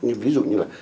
như ví dụ như là